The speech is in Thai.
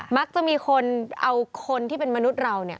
มักจะมีคนเอาคนที่เป็นมนุษย์เราเนี่ย